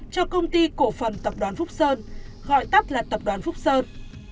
cho công ty cổ phần tập đoàn phúc sơn gọi tắt là tập đoàn phúc sơn